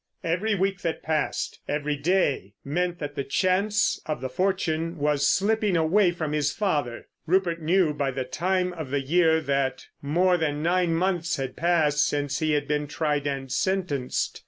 Every week that passed, every day, meant that the chance of the fortune was slipping away from his father. Rupert knew by the time of the year that more than nine months had passed since he had been tried and sentenced.